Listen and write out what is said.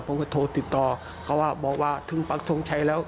ผมก็โทรติดต่อเขาว่าบอกว่าถึงปักทงชัยแล้ว